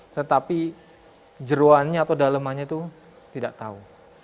tetapi jeruannya atau dalemannya itu tidak tahu